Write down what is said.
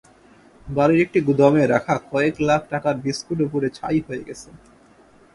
বাড়ির একটি গুদামে রাখা কয়েক লাখ টাকার বিস্কুটও পুড়ে ছাই হয়ে গেছে।